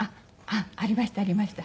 ありましたありました。